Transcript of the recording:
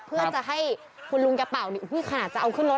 เพื่อจะให้คุณลุงแกเป่านี่ขนาดจะเอาขึ้นรถ